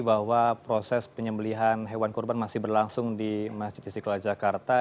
bahwa proses penyembelihan hewan kurban masih berlangsung di masjid istiqlal jakarta